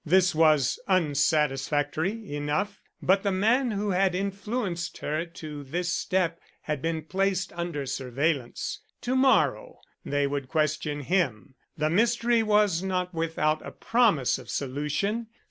This was unsatisfactory enough; but the man who had influenced her to this step had been placed under surveillance. To morrow they would question him; the mystery was not without a promise of solution.